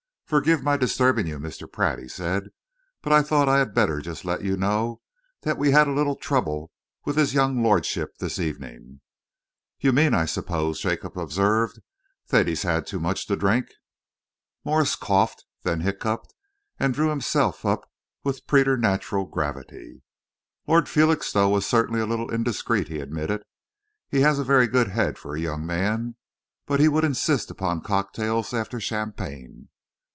"Forgive my disturbing you, Mr. Pratt," he said, "but I thought I had better just let you know that we've had a little trouble with his young lordship this evening." "You mean, I suppose," Jacob observed, "that he's had too much to drink?" Morse coughed then hiccoughed and drew himself up with preternatural gravity. "Lord Felixstowe was certainly a little indiscreet," he admitted. "He has a very good head for a young man, but he would insist upon cocktails after champagne."